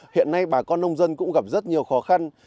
hiện nay bà con nông dân cũng gặp rất nhiều khó khăn